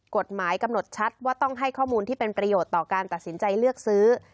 กฎหมายกำหนดชัดว่าต้องให้ข้อมูลที่เป็นประโยชน์ต่อการตัดสินใจเลือกซื้อ